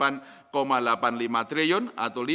yang menjadikan bank indonesia yang terbaik